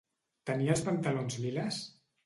Tenia els pantalons liles?